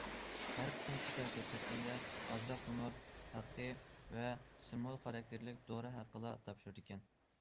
ھەر قېتىم كېسەل كۆرسەتكەندە، ئازراق نومۇر ھەققى ۋە سىمۋول خاراكتېرلىك دورا ھەققىلا تاپشۇرىدىكەن.